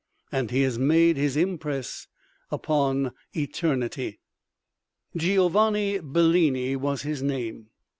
And he has made his impress upon eternity. THE MASTER Giovanni Bellini was his name.